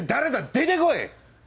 出て来い！